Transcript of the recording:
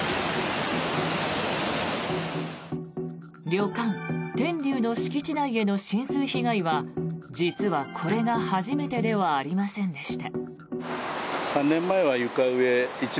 旅館、天龍の敷地内への浸水被害は実は、これが初めてではありませんでした。